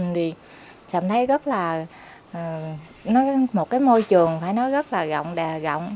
thì sầm thấy rất là nói một cái môi trường phải nói rất là rộng đà rộng